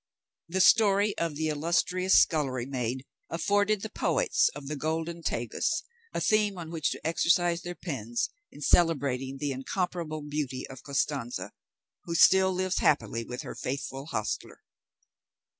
The story of the illustrious scullery maid afforded the poets of the golden Tagus a theme on which to exercise their pens in celebrating the incomparable beauty of Costanza, who still lives happily with her faithful hostler.